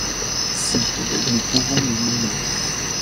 Si, nous pouvons les nier